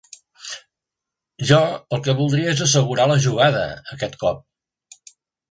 Jo el que voldria és assegurar la jugada, aquest cop.